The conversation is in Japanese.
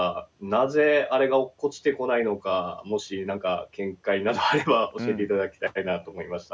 なぜあれが落っこちてこないのかもし何か見解などあれば教えて頂きたいなと思いました。